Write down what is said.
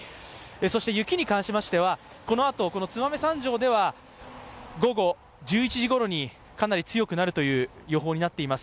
そして雪に関しましては、このあと燕三条では午後１１時ごろにかなり強くなるという予報になっています。